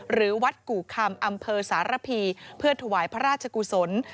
หรือวัดกู่คำอำเภอสารพีเพื่อถวายพระราชกุศล